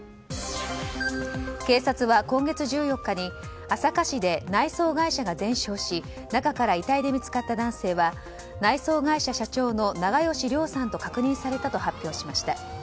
警察は、今月１４日に朝霞市で内装会社が全焼し中から遺体で見つかった男性は内装会社社長の長葭良さんと確認されたと発表しました。